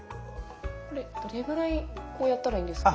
これどれぐらいこうやったらいいんですか？